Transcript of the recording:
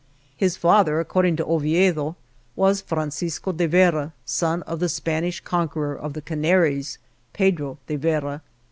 His father according to Oviedo was Francisco de Vera, son of the Spanish Con queror of the Canaries, Pedro de Vera.